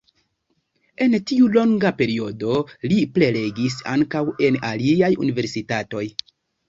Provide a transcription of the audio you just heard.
En tiu longa periodo li prelegis ankaŭ en aliaj universitatoj.